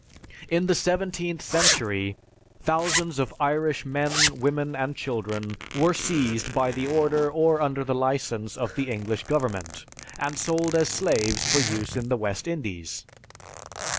"In the seventeenth century, thousands of Irish men, women and children, were seized by the order or under the license of the English government, and sold as slaves for use in the West Indies.